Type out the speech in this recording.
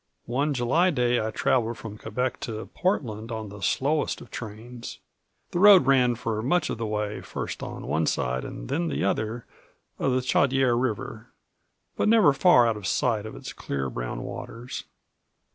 One July day I traveled from Quebec to Portland on the slowest of trains. The road ran for much of the way, first on one side, then on the other, of the Chaudière River, but never far out of sight of its clear brown waters.